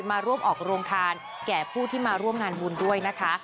มาร่วมออกโรงทานแก่ผู้ที่มาร่วมงานบุญด้วยนะคะ